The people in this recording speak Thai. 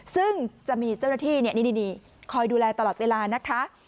ซึ่งจะมีเจ้าหน้าที่นี่คอยดูแลตลอดเวลานะคะ